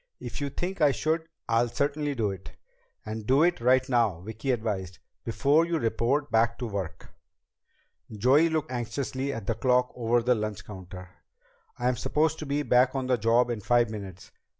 "If you think I should, I'll certainly do it." "And do it right now," Vicki advised, "before you report back to work." Joey looked anxiously at the clock over the lunch counter. "I'm supposed to be back on the job in five minutes.